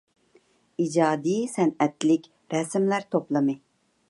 ئىجادىي سەنئەتلىك رەسىملەر توپلىمى.